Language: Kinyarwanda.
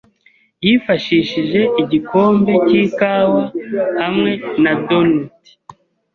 yifashishije igikombe cy'ikawa hamwe na donut.